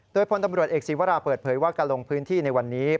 โดยพลตำรวจเอกศีวราเปิดเผยว่าการลงพื้นที่ในวันนี้